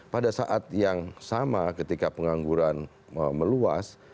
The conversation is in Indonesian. pada saat yang sama ketika pengangguran meluas